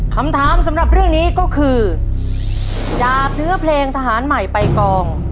คำถามสำหรับเรื่องนี้ก็คือดาบเนื้อเพลงทหารใหม่ไปกอง